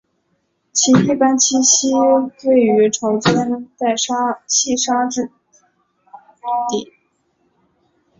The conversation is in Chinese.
其一般栖息于潮间带细砂质底。